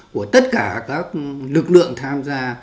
của tất cả các lực lượng tham gia